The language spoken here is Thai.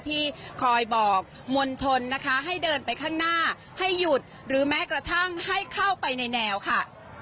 ที่คอยบอกมวลชนนะคะให้เดินไปข้างหน้าให้หยุดหรือแม้กระทั่งให้เข้าไปในแนวค่ะ